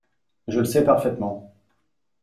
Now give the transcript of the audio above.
Je le sais parfaitement.